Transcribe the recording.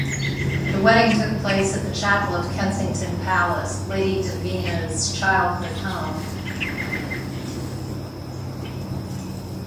The wedding took place at the chapel of Kensington Palace, Lady Davina's childhood home.